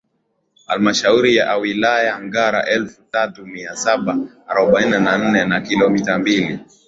Halmashauri ya Wilaya Ngara elfu tatu mia saba arobaini na nne na kilometa mbili